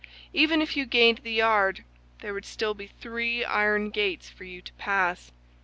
Even if you gained the yard, there would still be three iron gates for you to pass.